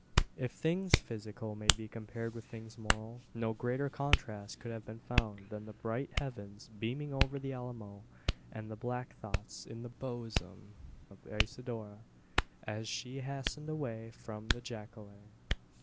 If things physical may be compared with things moral, no greater contrast could have been found, than the bright heavens beaming over the Alamo, and the black thoughts in the bosom of Isidora, as she hastened away from the jacale.